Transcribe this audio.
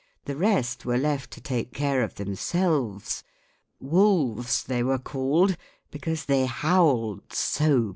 The rest were left to take care of themselves :" wolves " they were called, because they howled so badly.